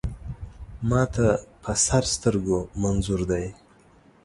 ما ته په سر سترګو منظور دی.